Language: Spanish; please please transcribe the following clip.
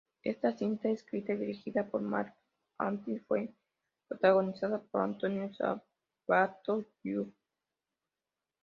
Esta cinta escrita y dirigida por Mark Atkins fue protagonizada por Antonio Sabato, Jr.